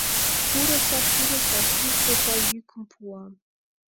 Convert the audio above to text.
— Пурыза, пурыза! — сурт оза йӱкым пуа.